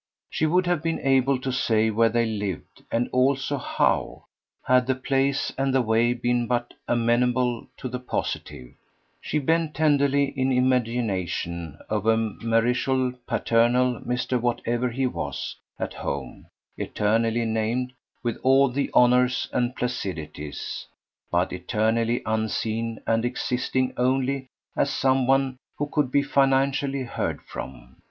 She would have been able to say where they lived, and also how, had the place and the way been but amenable to the positive; she bent tenderly, in imagination, over marital, paternal Mr. Whatever he was, at home, eternally named, with all the honours and placidities, but eternally unseen and existing only as some one who could be financially heard from.